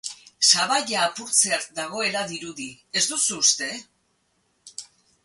Sabaia apurtzear dagoela dirudi, ez duzu uste?